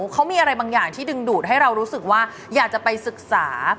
เขามีอะไรบางอย่างที่ดึงดูดให้เรารู้สึกว่าอยากจะไปศึกษา